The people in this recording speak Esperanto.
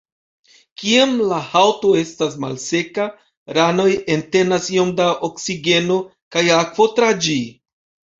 Kiam la haŭto estas malseka, ranoj entenas iom da oksigeno kaj akvo tra ĝi.